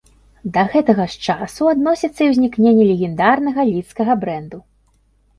Да гэтага ж часу адносіцца і ўзнікненне легендарнага лідскага брэнду.